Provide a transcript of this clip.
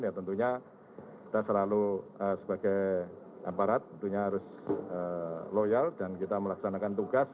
ya tentunya kita selalu sebagai aparat tentunya harus loyal dan kita melaksanakan tugas